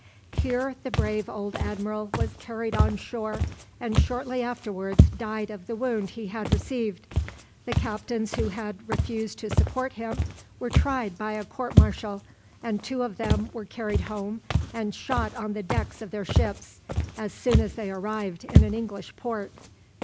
Here the brave old admiral was carried on shore, and shortly afterwards died of the wound he had received. The captains who had refused to support him were tried by a court martial, and two of them were carried home and shot on the decks of their ships, as soon as they arrived in an English port.